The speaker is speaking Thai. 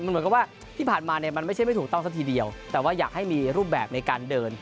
เหมือนกับว่าที่ผ่านมาเนี่ยมันไม่ใช่ไม่ถูกต้องสักทีเดียวแต่ว่าอยากให้มีรูปแบบในการเดิน